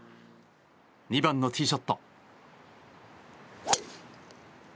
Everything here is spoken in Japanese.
２番のティーショット。